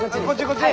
こっち？